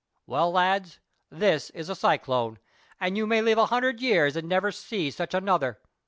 "Well, lads, this is a cyclone, and you may live a hundred years and never see such another.